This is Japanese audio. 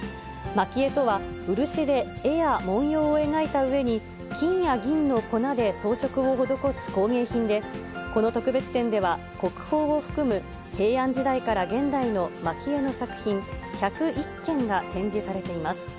蒔絵とは、漆で絵や文様を描いた上に、金や銀の粉で装飾を施す工芸品で、この特別展では、国宝を含む平安時代から現代の蒔絵の作品１０１件が展示されています。